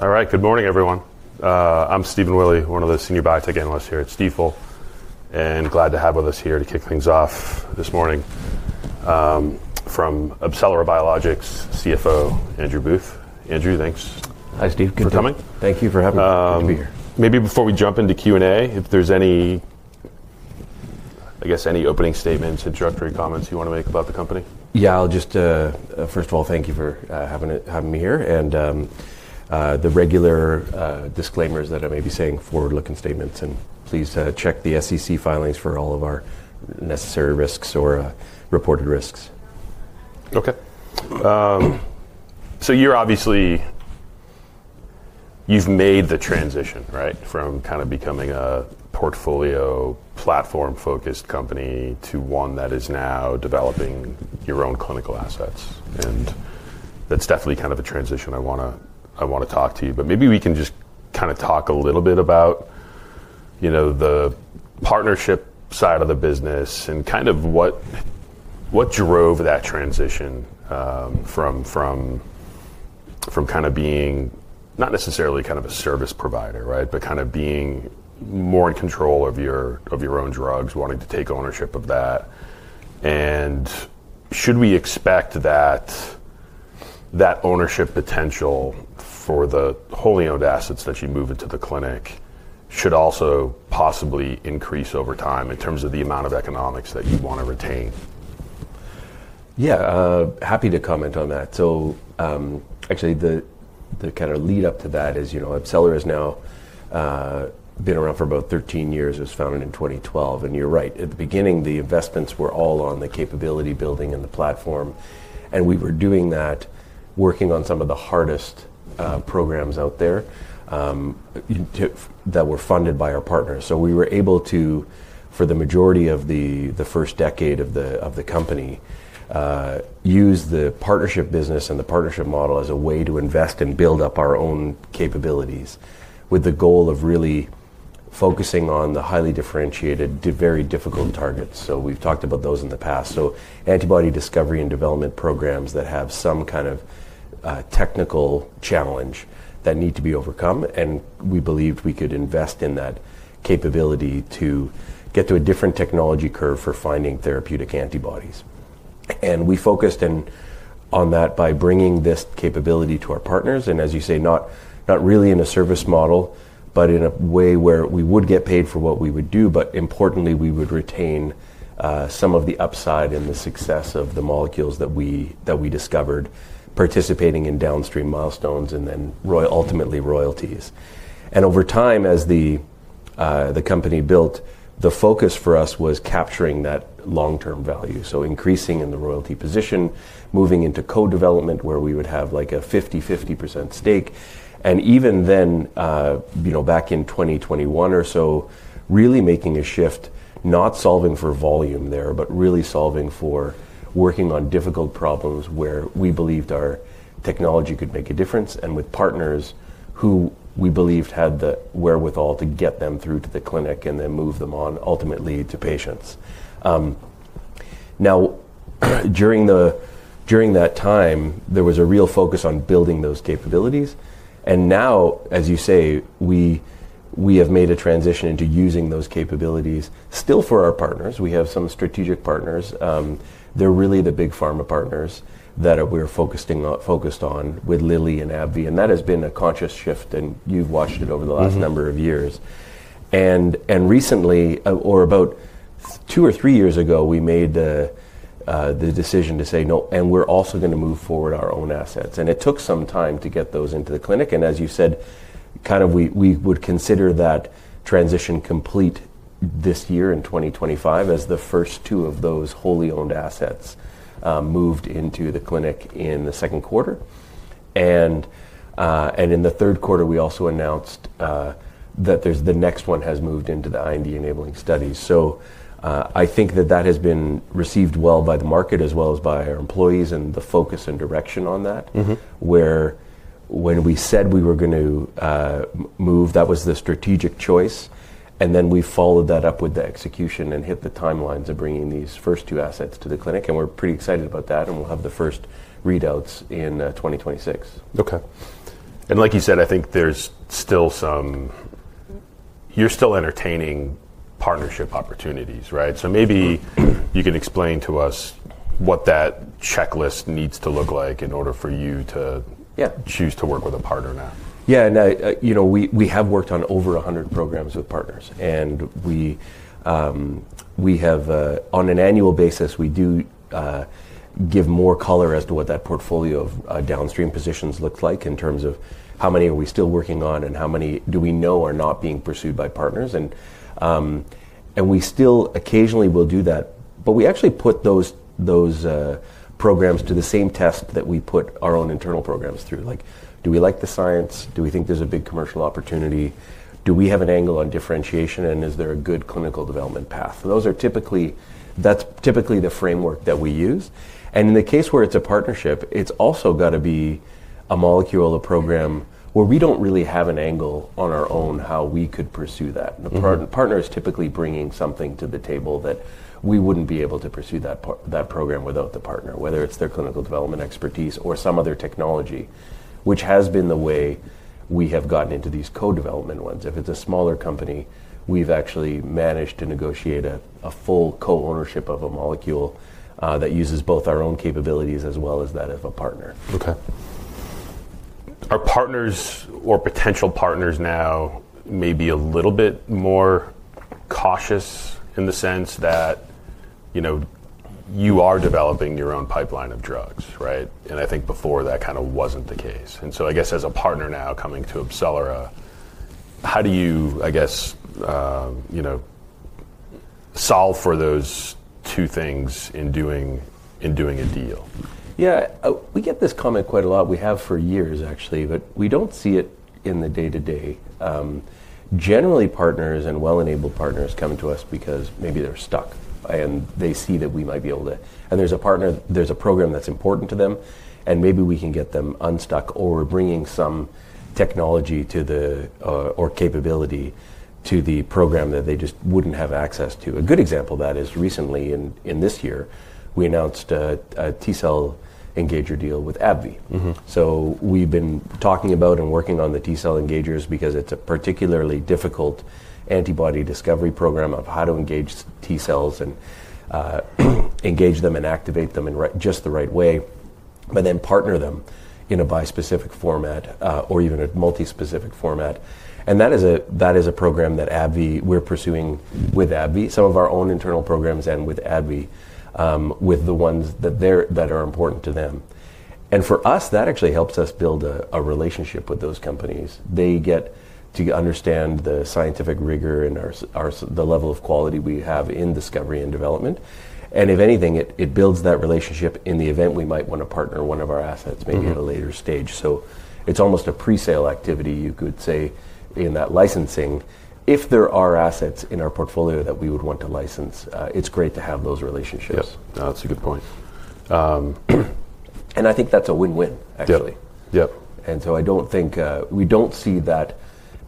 All right, good morning, everyone. I'm Stephen Willie one of the senior biotech analysts here at Stifel, and glad to have with us here to kick things off this morning, from AbCellera Biologics CFO, Andrew Booth. Andrew, thanks. Hi, Steve. Thank you For coming. Thank you for having me. Good to be here. Maybe before we jump into Q&A, if there's any, I guess, any opening statements, introductory comments you want to make about the company? Yeah, I'll just, first of all, thank you for having me here. The regular disclaimers that I may be saying forward-looking statements, and please check the SEC filings for all of our necessary risks or reported risks. Okay. So you're obviously, you've made the transition, right, from kind of becoming a portfolio platform-focused company to one that is now developing your own clinical assets. That's definitely kind of a transition I want to, I want to talk to you. Maybe we can just kind of talk a little bit about, you know, the partnership side of the business and kind of what drove that transition, from kind of being not necessarily kind of a service provider, right, but kind of being more in control of your own drugs, wanting to take ownership of that. Should we expect that ownership potential for the wholly owned assets that you move into the clinic should also possibly increase over time in terms of the amount of economics that you want to retain? Yeah, happy to comment on that. Actually, the kind of lead-up to that is, you know, AbCellera has now been around for about 13 years. It was founded in 2012. You're right. At the beginning, the investments were all on the capability building and the platform. We were doing that, working on some of the hardest programs out there that were funded by our partners. We were able to, for the majority of the first decade of the company, use the partnership business and the partnership model as a way to invest and build up our own capabilities with the goal of really focusing on the highly differentiated, very difficult targets. We've talked about those in the past. Antibody discovery and development programs that have some kind of technical challenge that need to be overcome. We believed we could invest in that capability to get to a different technology curve for finding therapeutic antibodies. We focused in on that by bringing this capability to our partners. As you say, not really in a service model, but in a way where we would get paid for what we would do, but importantly, we would retain some of the upside and the success of the molecules that we discovered, participating in downstream milestones and then ultimately royalties. Over time, as the company built, the focus for us was capturing that long-term value, increasing in the royalty position, moving into co-development where we would have like a 50/50% stake. Even then, you know, back in 2021 or so, really making a shift, not solving for volume there, but really solving for working on difficult problems where we believed our technology could make a difference and with partners who we believed had the wherewithal to get them through to the clinic and then move them on ultimately to patients. During that time, there was a real focus on building those capabilities. Now, as you say, we have made a transition into using those capabilities still for our partners. We have some strategic partners. They're really the big pharma partners that we're focusing on, focused on with Lilly and AbbVie. That has been a conscious shift. You've watched it over the last number of years. Recently, or about two or three years ago, we made the decision to say, no, and we're also going to move forward our own assets. It took some time to get those into the clinic. As you said, we would consider that transition complete this year in 2025 as the first two of those wholly owned assets moved into the clinic in the second quarter. In the third quarter, we also announced that the next one has moved into the IND-enabling studies. I think that has been received well by the market as well as by our employees and the focus and direction on that. Mm-hmm. Where when we said we were going to move, that was the strategic choice. We followed that up with the execution and hit the timelines of bringing these first two assets to the clinic. We're pretty excited about that. We'll have the first readouts in 2026. Okay. Like you said, I think there's still some, you're still entertaining partnership opportunities, right? Maybe you can explain to us what that checklist needs to look like in order for you to. Yeah. Choose to work with a partner now. Yeah. And, you know, we have worked on over 100 programs with partners. And we have, on an annual basis, we do give more color as to what that portfolio of downstream positions looks like in terms of how many are we still working on and how many do we know are not being pursued by partners. And we still occasionally will do that, but we actually put those programs to the same test that we put our own internal programs through. Like, do we like the science? Do we think there's a big commercial opportunity? Do we have an angle on differentiation? And is there a good clinical development path? Those are typically, that's typically the framework that we use. In the case where it's a partnership, it's also got to be a molecule, a program where we don't really have an angle on our own how we could pursue that. The partner is typically bringing something to the table that we wouldn't be able to pursue that part, that program without the partner, whether it's their clinical development expertise or some other technology, which has been the way we have gotten into these co-development ones. If it's a smaller company, we've actually managed to negotiate a full co-ownership of a molecule that uses both our own capabilities as well as that of a partner. Okay. Are partners or potential partners now maybe a little bit more cautious in the sense that, you know, you are developing your own pipeline of drugs, right? I think before that kind of wasn't the case. I guess as a partner now coming to AbCellera, how do you, I guess, you know, solve for those two things in doing a deal? Yeah, we get this comment quite a lot. We have for years, actually, but we don't see it in the day-to-day. Generally, partners and well-enabled partners come to us because maybe they're stuck and they see that we might be able to, and there's a partner, there's a program that's important to them, and maybe we can get them unstuck or bring some technology to the, or capability to the program that they just wouldn't have access to. A good example of that is recently, in this year, we announced a T-cell engager deal with AbbVie. Mm-hmm. We've been talking about and working on the T-cell engagers because it's a particularly difficult antibody discovery program of how to engage T-cells and engage them and activate them in just the right way, but then partner them in a bispecific format, or even a multi-specific format. That is a program that AbbVie, we're pursuing with AbbVie, some of our own internal programs and with AbbVie, with the ones that are important to them. For us, that actually helps us build a relationship with those companies. They get to understand the scientific rigor and our, the level of quality we have in discovery and development. If anything, it builds that relationship in the event we might want to partner one of our assets maybe at a later stage. It's almost a presale activity, you could say, in that licensing. If there are assets in our portfolio that we would want to license, it's great to have those relationships. Yep. No, that's a good point. I think that's a win-win, actually. Yep. Yep. I don't think, we don't see that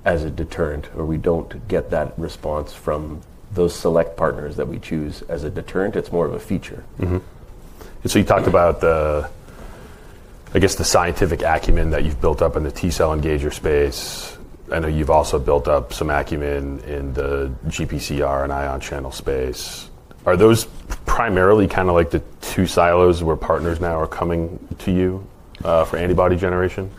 as a deterrent or we don't get that response from those select partners that we choose as a deterrent. It's more of a feature. Mm-hmm. And you talked about the, I guess, the scientific acumen that you've built up in the T-cell Engager space. I know you've also built up some acumen in the GPCR and Ion channel space. Are those primarily kind of like the two silos where partners now are coming to you, for antibody generation?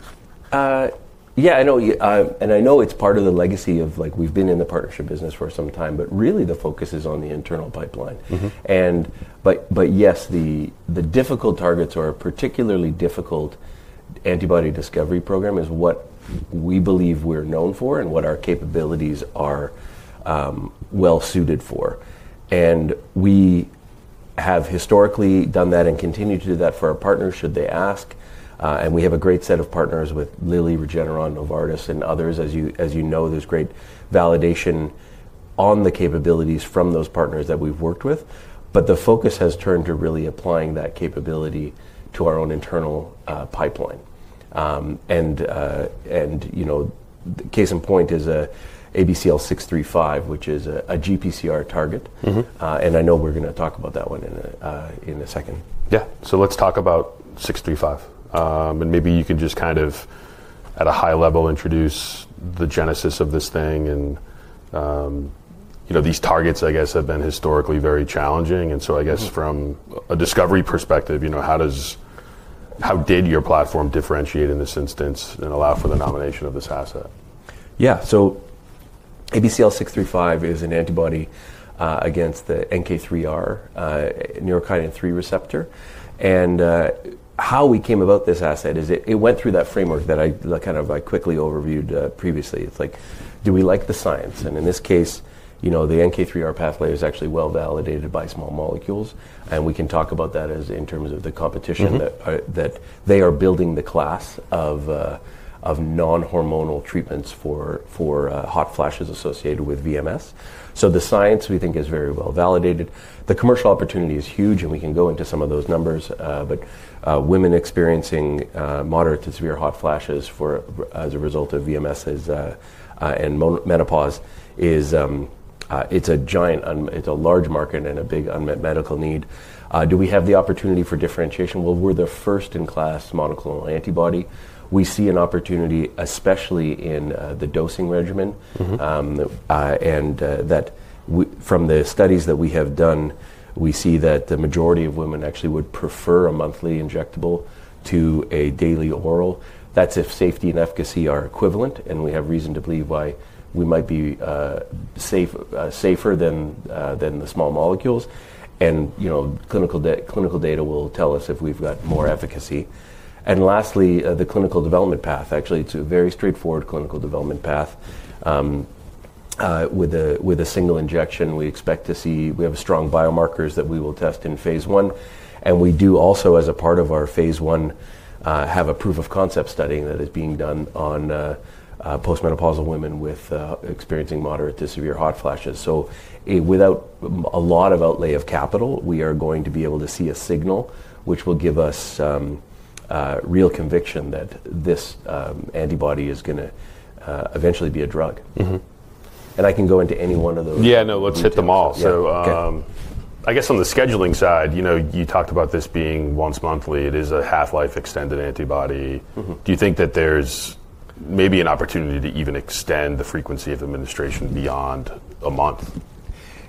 Yeah, I know, and I know it's part of the legacy of, like, we've been in the partnership business for some time, but really the focus is on the internal pipeline. Mm-hmm. Yes, the difficult targets are a particularly difficult antibody discovery program is what we believe we're known for and what our capabilities are, well suited for. We have historically done that and continue to do that for our partners should they ask. We have a great set of partners with Lilly, Regeneron, Novartis, and others. As you know, there's great validation on the capabilities from those partners that we've worked with. The focus has turned to really applying that capability to our own internal pipeline. You know, the case in point is ABCL635, which is a GPCR target. Mm-hmm. I know we're going to talk about that one in a, in a second. Yeah. Let's talk about ABCL635. And maybe you can just kind of, at a high level, introduce the genesis of this thing. And, you know, these targets, I guess, have been historically very challenging. I guess from a discovery perspective, you know, how does, how did your platform differentiate in this instance and allow for the nomination of this asset? Yeah. ABCL635 is an antibody against the NK3R, neurokinin 3 receptor. How we came about this asset is it went through that framework that I, that I quickly overviewed previously. It's like, do we like the science? In this case, you know, the NK3R pathway is actually well validated by small molecules. We can talk about that in terms of the competition, that they are building the class of non-hormonal treatments for hot flashes associated with VMS. The science we think is very well validated. The commercial opportunity is huge, and we can go into some of those numbers, but women experiencing moderate to severe hot flashes as a result of VMS and menopause, it's a giant, it's a large market and a big unmet medical need. Do we have the opportunity for differentiation? We're the first in class monoclonal antibody. We see an opportunity, especially in the dosing regimen. Mm-hmm. From the studies that we have done, we see that the majority of women actually would prefer a monthly injectable to a daily oral. That's if safety and efficacy are equivalent. We have reason to believe why we might be safer than the small molecules. You know, clinical data will tell us if we've got more efficacy. Lastly, the clinical development path, actually, it's a very straightforward clinical development path. With a single injection, we expect to see, we have strong biomarkers that we will test in phase I. We do also, as a part of our phase I, have a proof of concept study that is being done on post-menopausal women experiencing moderate to severe hot flashes. Without a lot of outlay of capital, we are going to be able to see a signal which will give us real conviction that this antibody is going to eventually be a drug. Mm-hmm. I can go into any one of those. Yeah, no, let's hit them all. I guess on the scheduling side, you know, you talked about this being once monthly. It is a half-life extended antibody. Do you think that there's maybe an opportunity to even extend the frequency of administration beyond a month?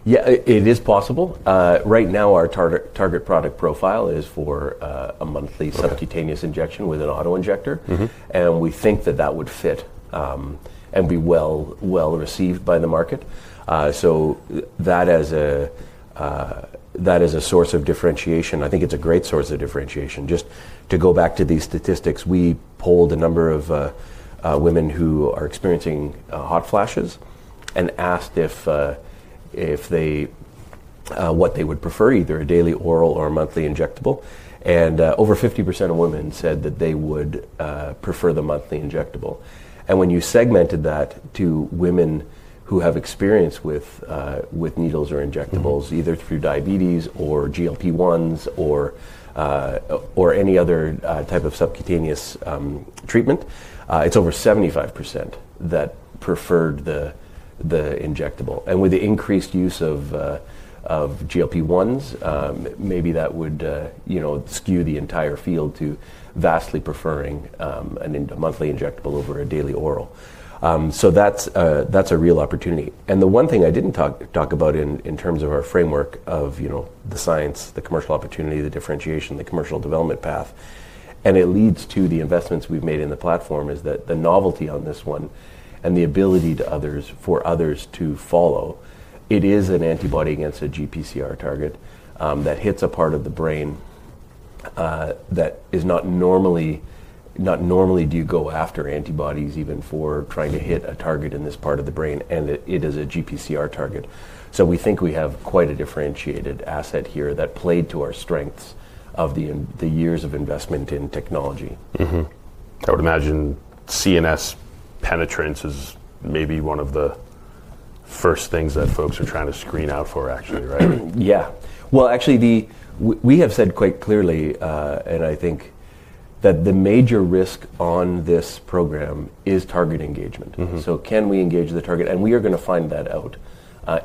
Yeah, it is possible. Right now, our target product profile is for a monthly subcutaneous injection with an auto injector. Mm-hmm. We think that that would fit, and be well, well received by the market. That as a source of differentiation, I think it's a great source of differentiation. Just to go back to these statistics, we polled a number of women who are experiencing hot flashes and asked if they, what they would prefer, either a daily oral or a monthly injectable. Over 50% of women said that they would prefer the monthly injectable. When you segmented that to women who have experience with needles or injectables, either through diabetes or GLP-1s or any other type of subcutaneous treatment, it's over 75% that preferred the injectable. With the increased use of GLP-1s, maybe that would, you know, skew the entire field to vastly preferring a monthly injectable over a daily oral. That's a real opportunity. The one thing I did not talk about in terms of our framework of, you know, the science, the commercial opportunity, the differentiation, the commercial development path, and it leads to the investments we have made in the platform, is that the novelty on this one and the ability for others to follow, it is an antibody against a GPCR target that hits a part of the brain that is not normally, not normally do you go after antibodies even for trying to hit a target in this part of the brain, and it is a GPCR target. We think we have quite a differentiated asset here that played to our strengths of the years of investment in technology. Mm-hmm. I would imagine CNS penetrance is maybe one of the first things that folks are trying to screen out for, actually, right? Yeah. Actually, we have said quite clearly, and I think that the major risk on this program is target engagement. Mm-hmm. Can we engage the target? We are going to find that out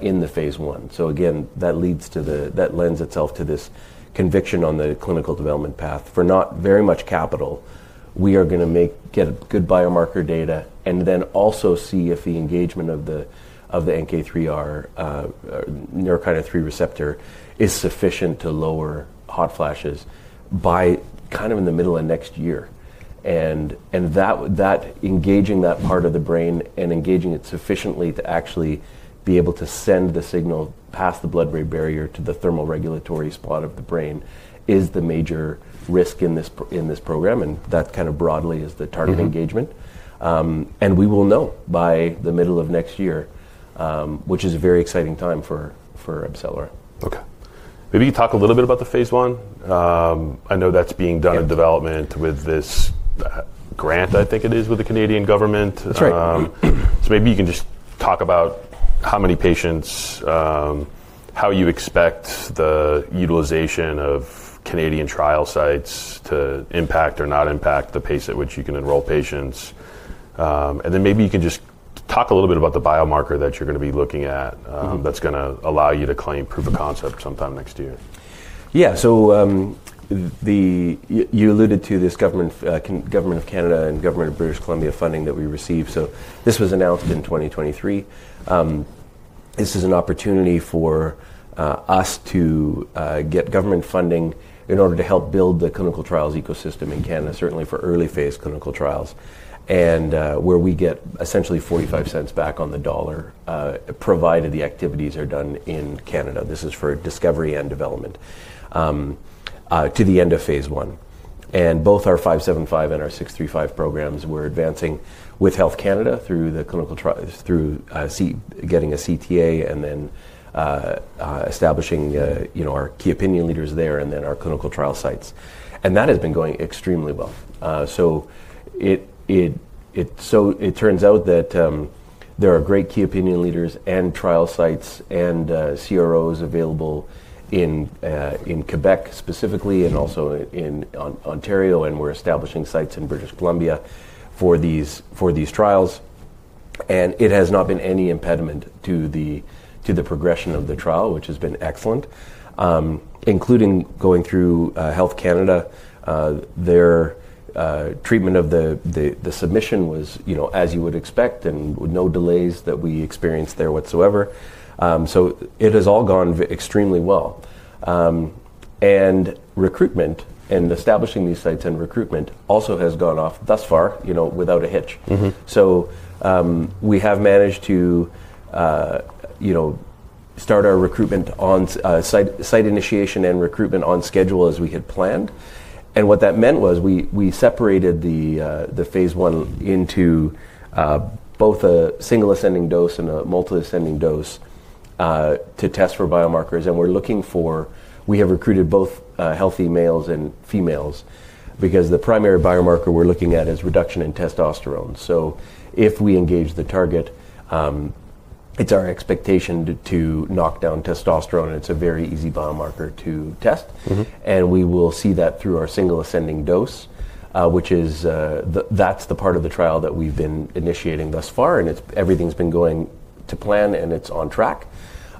in the phase I. Again, that lends itself to this conviction on the clinical development path for not very much capital. We are going to get good biomarker data and then also see if the engagement of the NK3R, neurokinin 3 receptor, is sufficient to lower hot flashes by kind of in the middle of next year. Engaging that part of the brain and engaging it sufficiently to actually be able to send the signal past the blood-brain barrier to the thermoregulatory spot of the brain is the major risk in this program. That kind of broadly is the target engagement. We will know by the middle of next year, which is a very exciting time for AbCellera. Okay. Maybe you talk a little bit about the phase I. I know that's being done in development with this grant, I think it is with the Canadian government. That's right. Maybe you can just talk about how many patients, how you expect the utilization of Canadian trial sites to impact or not impact the pace at which you can enroll patients. Then maybe you can just talk a little bit about the biomarker that you're going to be looking at, that's going to allow you to claim proof of concept sometime next year. Yeah. The, you alluded to this government, Government of Canada and Government of British Columbia funding that we received. This was announced in 2023. This is an opportunity for us to get government funding in order to help build the clinical trials ecosystem in Canada, certainly for early phase clinical trials. Where we get essentially 0.45 back on the dollar, provided the activities are done in Canada. This is for discovery and development, to the end of phase I. Both our ABCL575 and our ABCL635 programs, we're advancing with Health Canada through the clinical trials, through getting a CTA and then establishing, you know, our key opinion leaders there and then our clinical trial sites. That has been going extremely well. It turns out that there are great key opinion leaders and trial sites and CROs available in Quebec specifically and also in Ontario. We are establishing sites in British Columbia for these trials. It has not been any impediment to the progression of the trial, which has been excellent, including going through Health Canada. Their treatment of the submission was, you know, as you would expect and with no delays that we experienced there whatsoever. It has all gone extremely well. Recruitment and establishing these sites and recruitment also has gone off thus far, you know, without a hitch. Mm-hmm. We have managed to, you know, start our recruitment on site, site initiation and recruitment on schedule as we had planned. What that meant was we separated the phase I into both a single ascending dose and a multi-ascending dose to test for biomarkers. We're looking for, we have recruited both healthy males and females because the primary biomarker we're looking at is reduction in testosterone. If we engage the target, it's our expectation to knock down testosterone. It's a very easy biomarker to test. Mm-hmm. We will see that through our single ascending dose, which is, that's the part of the trial that we've been initiating thus far. It's, everything's been going to plan and it's on track.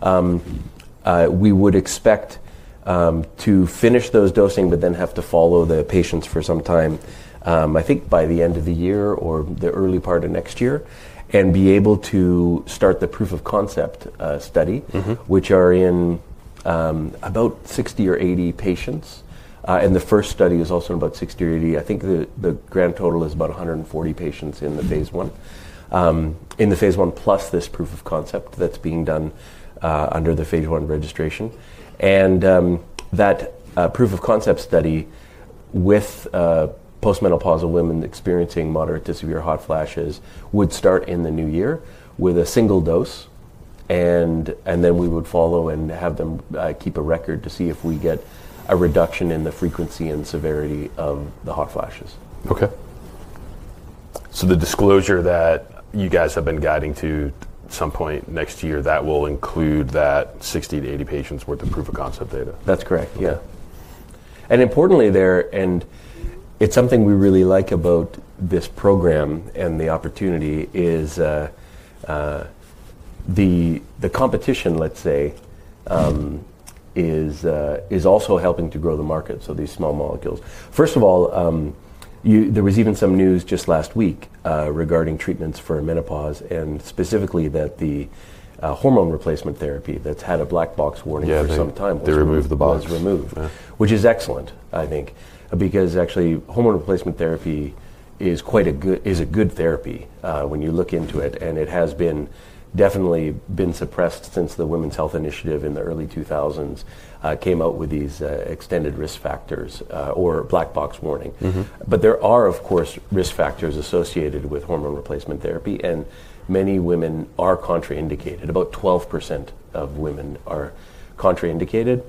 We would expect to finish those dosing, but then have to follow the patients for some time, I think by the end of the year or the early part of next year and be able to start the proof of concept study. Mm-hmm. Which are in about 60 or 80 patients. The first study is also in about 60 or 80. I think the grand total is about 140 patients in the phase I, in the phase I plus this proof of concept that's being done under the phase I registration. That proof of concept study with post-menopausal women experiencing moderate to severe hot flashes would start in the new year with a single dose. Then we would follow and have them keep a record to see if we get a reduction in the frequency and severity of the hot flashes. Okay. The disclosure that you guys have been guiding to some point next year, that will include that 60-80 patients worth of proof of concept data. That's correct. Yeah. Importantly there, and it's something we really like about this program and the opportunity, the competition, let's say, is also helping to grow the market. These small molecules, first of all, you, there was even some news just last week regarding treatments for menopause and specifically that the hormone replacement therapy that's had a black box warning for some time. Yeah, they removed the box. Was removed, which is excellent, I think, because actually hormone replacement therapy is quite a good, is a good therapy, when you look into it. It has been definitely been suppressed since the Women's Health Initiative in the early 2000s, came out with these extended risk factors, or black box warning. Mm-hmm. There are, of course, risk factors associated with hormone replacement therapy. Many women are contraindicated. About 12% of women are contraindicated,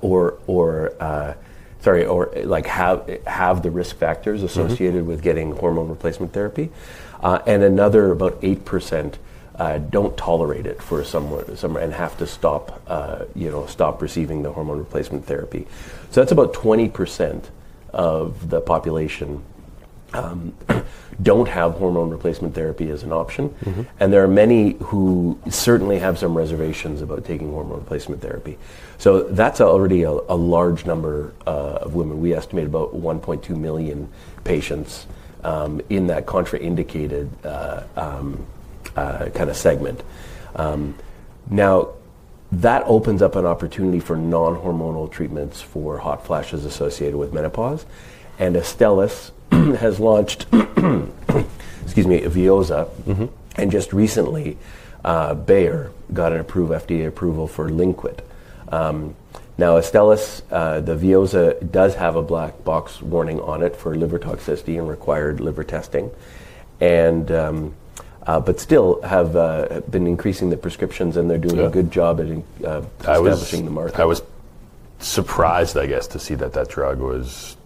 or, sorry, have the risk factors associated with getting hormone replacement therapy. Another about 8% do not tolerate it for some reason and have to stop, you know, stop receiving the hormone replacement therapy. That is about 20% of the population who do not have hormone replacement therapy as an option. Mm-hmm. There are many who certainly have some reservations about taking hormone replacement therapy. That is already a large number of women. We estimate about 1.2 million patients in that contraindicated kind of segment. Now that opens up an opportunity for non-hormonal treatments for hot flashes associated with menopause. Astellas has launched, excuse me, VEOZAH. Mm-hmm. Just recently, Bayer got an FDA approval for Lynkuet. Now, Astellas, the VEOZAH does have a black box warning on it for liver toxicity and required liver testing, and, but still have been increasing the prescriptions and they're doing a good job at establishing the market. I was surprised, I guess, to see that that drug was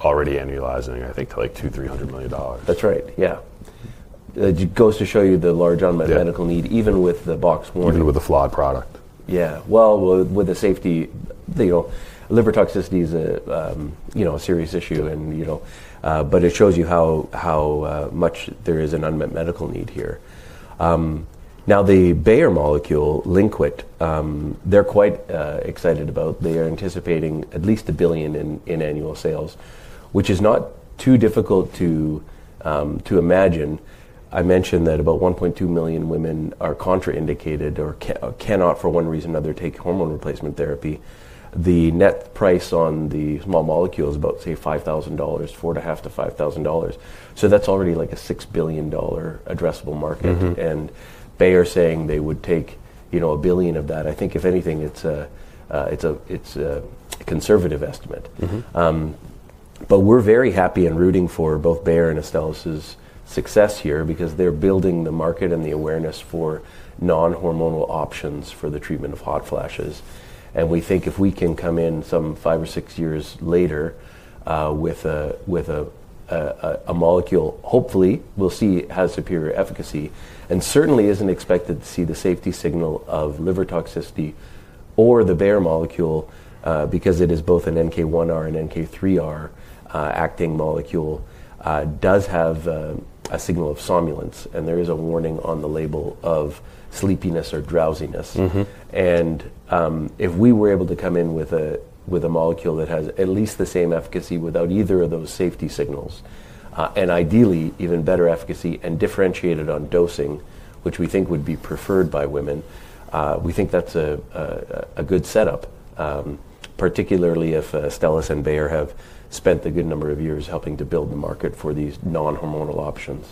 already annualizing, I think like $200 million-$300 million. That's right. Yeah. It goes to show you the large unmet medical need, even with the box warning. Even with a flawed product. Yeah. With the safety, you know, liver toxicity is a, you know, a serious issue and, you know, it shows you how much there is an unmet medical need here. Now the Bayer molecule, Lynkuet, they're quite excited about. They are anticipating at least 1 billion in annual sales, which is not too difficult to imagine. I mentioned that about 1.2 million women are contraindicated or cannot for one reason or another take hormone replacement therapy. The net price on the small molecule is about, say, 5,000 dollars, 4,500-5,000 dollars. That is already like a 6 billion dollar addressable market. Mm-hmm. Bayer saying they would take, you know, a billion of that. I think if anything, it's a, it's a conservative estimate. Mm-hmm. We're very happy and rooting for both Bayer and Astellas' success here because they're building the market and the awareness for non-hormonal options for the treatment of hot flashes. We think if we can come in some five or six years later with a molecule, hopefully we'll see has superior efficacy and certainly isn't expected to see the safety signal of liver toxicity or the Bayer molecule, because it is both an NK1R and NK3R acting molecule, does have a signal of somnolence. There is a warning on the label of sleepiness or drowsiness. Mm-hmm. If we were able to come in with a molecule that has at least the same efficacy without either of those safety signals, and ideally even better efficacy and differentiated on dosing, which we think would be preferred by women, we think that's a good setup, particularly if Astellas and Bayer have spent a good number of years helping to build the market for these non-hormonal options.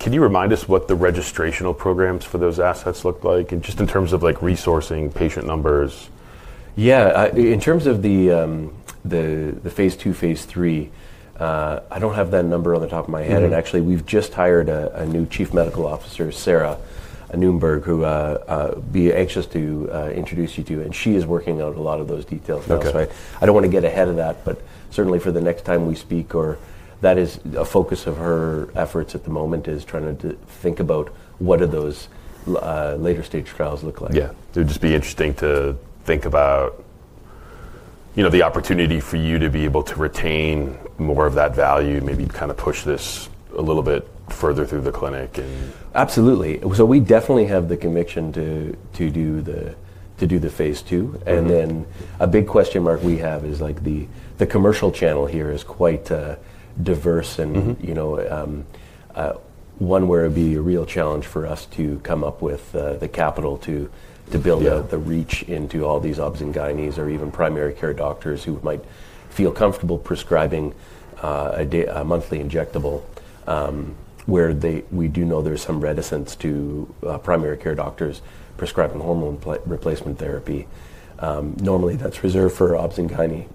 Can you remind us what the registrational programs for those assets look like? And just in terms of like resourcing patient numbers. Yeah. In terms of the phase II phase III, I don't have that number on the top of my head. Actually, we've just hired a new Chief Medical Officer, Sarah Noonberg, who would be anxious to introduce you to. She is working on a lot of those details now. Okay. I don't want to get ahead of that, but certainly for the next time we speak, or that is a focus of her efforts at the moment is trying to think about what do those later stage trials look like. Yeah. It would just be interesting to think about, you know, the opportunity for you to be able to retain more of that value, maybe kind of push this a little bit further through the clinic. Absolutely. We definitely have the conviction to do the phase II. A big question mark we have is the commercial channel here is quite diverse and, you know, one where it'd be a real challenge for us to come up with the capital to build out the reach into all these OB/GYNs or even primary care doctors who might feel comfortable prescribing a, a monthly injectable, where they, we do know there's some reticence to primary care doctors prescribing hormone replacement therapy. Normally that's reserved for OB/GYN,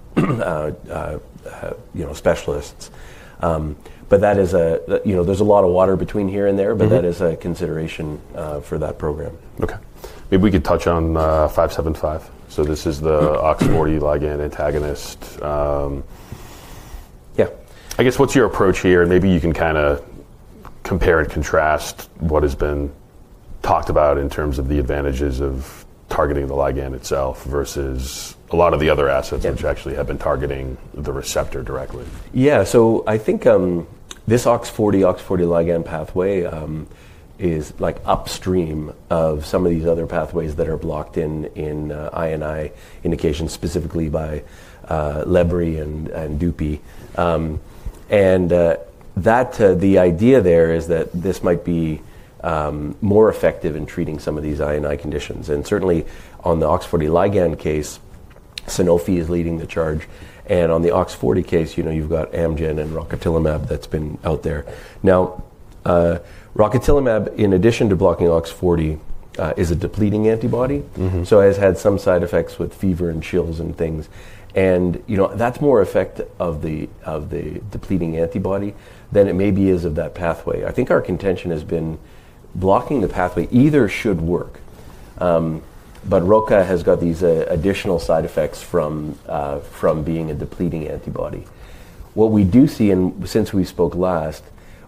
you know, specialists. That is a, you know, there's a lot of water between here and there, but that is a consideration for that program. Okay. Maybe we could touch on ABCL575. So this is the OX40 ligand antagonist. Yeah. I guess what's your approach here? Maybe you can kind of compare and contrast what has been talked about in terms of the advantages of targeting the ligand itself versus a lot of the other assets which actually have been targeting the receptor directly. Yeah. I think this OX40, OX40 ligand pathway is like upstream of some of these other pathways that are blocked in INI indications specifically by lebri and dupi. The idea there is that this might be more effective in treating some of these INI conditions. Certainly on the OX40 ligand case, Sanofi is leading the charge. On the OX40 case, you know, you've got Amgen and rocatinlimab that's been out there. Now, rocatinlimab, in addition to blocking OX40, is a depleting antibody. Mm-hmm. It has had some side effects with fever and chills and things. You know, that's more effect of the depleting antibody than it maybe is of that pathway. I think our contention has been blocking the pathway either should work, but roca has got these additional side effects from being a depleting antibody. What we do see, and since we spoke last,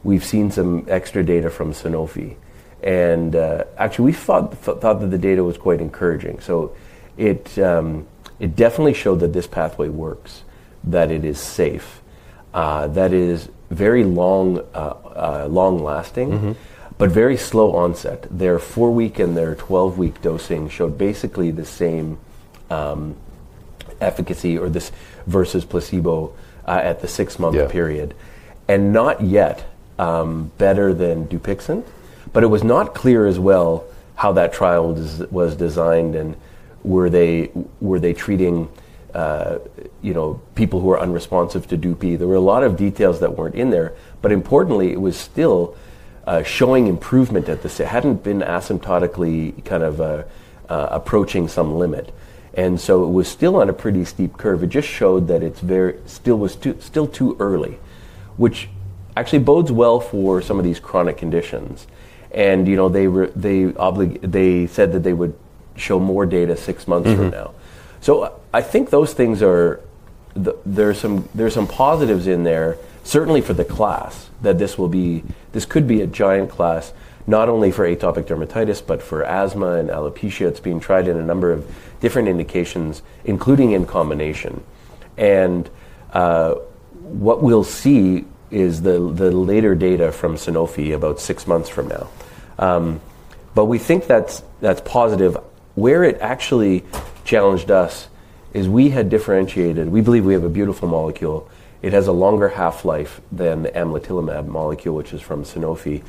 we've seen some extra data from Sanofi. Actually, we thought that the data was quite encouraging. It definitely showed that this pathway works, that it is safe, that it is very long lasting. Mm-hmm. Very slow onset. Their four week and their 12 week dosing showed basically the same efficacy, or this versus placebo, at the six month period. Yeah. Not yet better than Dupixent, but it was not clear as well how that trial was designed and were they treating, you know, people who are unresponsive to Dupi. There were a lot of details that were not in there, but importantly it was still showing improvement at this. It had not been asymptotically kind of approaching some limit. It was still on a pretty steep curve. It just showed that it still was too early, which actually bodes well for some of these chronic conditions. You know, they said that they would show more data six months from now. I think those things are, there are some positives in there, certainly for the class that this will be. This could be a giant class, not only for atopic dermatitis, but for asthma and alopecia. It's being tried in a number of different indications, including in combination. What we'll see is the later data from Sanofi about six months from now. We think that's positive. Where it actually challenged us is we had differentiated, we believe we have a beautiful molecule. It has a longer half life than the amlitelimab molecule, which is from Sanofi.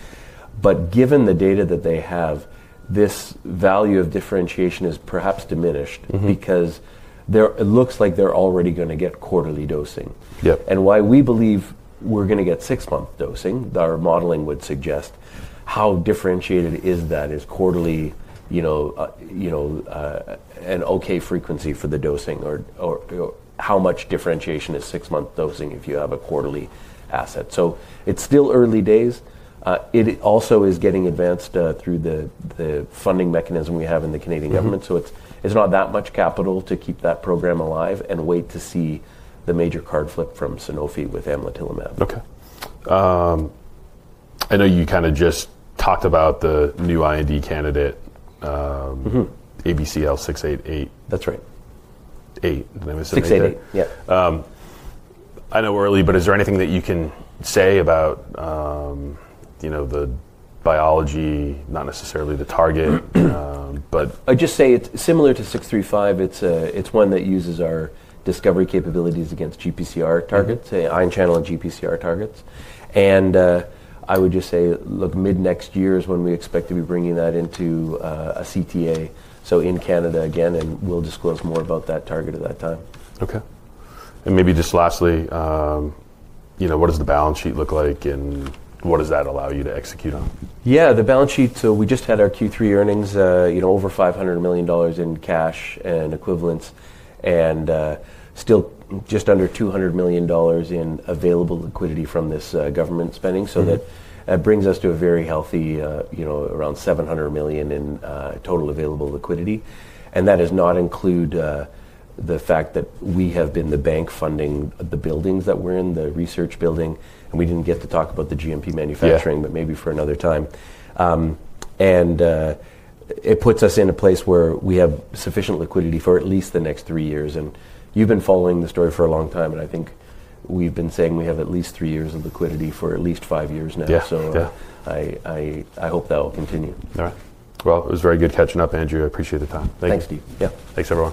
Given the data that they have, this value of differentiation is perhaps diminished because there, it looks like they're already going to get quarterly dosing. Yep. Why we believe we're going to get six month dosing, our modeling would suggest how differentiated is that. Is quarterly, you know, an okay frequency for the dosing, or how much differentiation is six month dosing if you have a quarterly asset? It's still early days. It also is getting advanced through the funding mechanism we have in the Canadian government. It's not that much capital to keep that program alive and wait to see the major card flip from Sanofi with amlitelimab. Okay. I know you kind of just talked about the new IND candidate, ABCL688. That's right. Eight. 688. I know early, but is there anything that you can say about, you know, the biology, not necessarily the target, but. I just say it's similar to ABCL635. It's one that uses our discovery capabilities against GPCR targets, say ion channel and GPCR targets. I would just say, look, mid next year is when we expect to be bringing that into a CTA. In Canada again, and we'll disclose more about that target at that time. Okay. And maybe just lastly, you know, what does the balance sheet look like and what does that allow you to execute on? Yeah, the balance sheet. We just had our Q3 earnings, you know, over 500 million dollars in cash and equivalents and still just under 200 million dollars in available liquidity from this government spending. That brings us to a very healthy, you know, around 700 million in total available liquidity. That does not include the fact that we have been the bank funding the buildings that we're in, the research building, and we didn't get to talk about the GMP manufacturing, but maybe for another time. It puts us in a place where we have sufficient liquidity for at least the next three years. You've been following the story for a long time, and I think we've been saying we have at least three years of liquidity for at least five years now. Yeah. I hope that'll continue. All right. It was very good catching up, Andrew. I appreciate the time. Thanks. Thanks, Steve. Yeah. Thanks everyone.